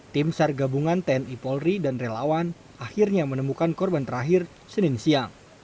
tim sar gabungan tni polri dan relawan akhirnya menemukan korban terakhir senin siang